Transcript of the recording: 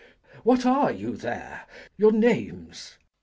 Glou. What are you there? Your names?